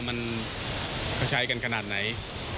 มันจะใช้กันขนาดไหน